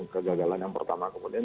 kegagalan yang pertama kemudian